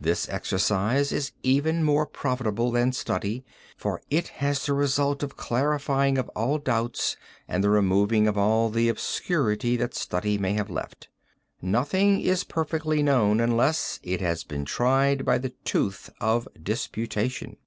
This exercise is even more profitable than study for it has as its result the clarifying of all doubts and the removing of all the obscurity that study may have left. Nothing is perfectly known unless it has been tried by the tooth of disputation.